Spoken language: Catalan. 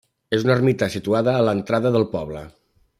És una ermita situada a l'entrada del poble.